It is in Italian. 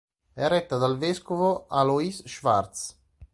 È retta dal vescovo Alois Schwarz.